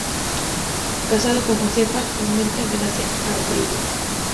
Casado con Josefa Urmeneta García-Abello.